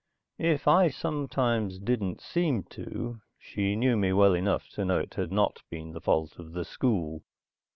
If I sometimes didn't seem to, she knew me well enough to know it had not been the fault of the school.